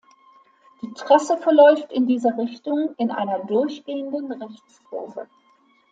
Die Trasse verläuft in dieser Richtung in einer durchgehenden Rechtskurve.